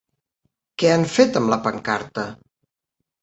Què han fet amb la pancarta?